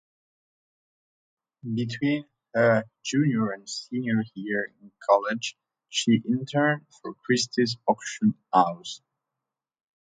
Between her junior and senior year in college she interned for Christie’s auction house.